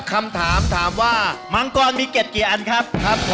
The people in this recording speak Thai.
คำถามถามว่ามังกรมีเก็บกี่อันครับ